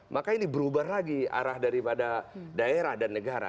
maka ini berubah lagi arah daripada daerah dan negara